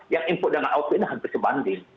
yang input dengan output ini hampir sebanding